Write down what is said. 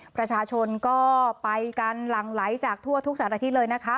ประชาชนก็ไปกันหลั่งไหลจากทั่วทุกสารทิศเลยนะคะ